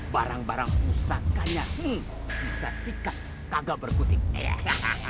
barang barang usahakannya kita sikat tidak berkutik